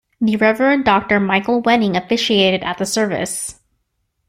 The Reverend Doctor Michael Wenning officiated at the service.